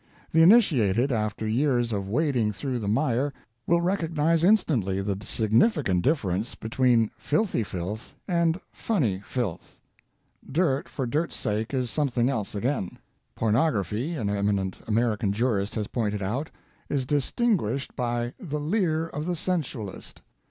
The initiated, after years of wading through the mire, will recognize instantly the significant difference between filthy filth and funny "filth." Dirt for dirt's sake is something else again. Pornography, an eminent American jurist has pointed out, is distinguished by the "leer of the sensualist."